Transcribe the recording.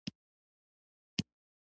آیا چې خپل ګاونډی وپیژني؟